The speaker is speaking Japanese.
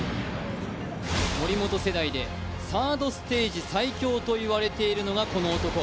森本世代でサードステージ最強といわれているのがこの男。